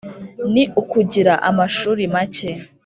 Ni ukugira amashuri make